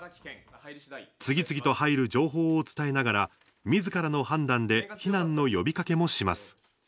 次々と入る情報を伝えながらみずからの判断で避難の呼びかけもします。